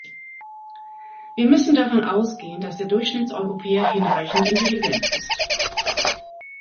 Wir müssen davon ausgehen, dass der Durchschnittseuropäer hinreichend intelligent ist.